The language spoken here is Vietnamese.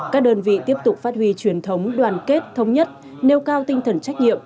các đơn vị tiếp tục phát huy truyền thống đoàn kết thống nhất nêu cao tinh thần trách nhiệm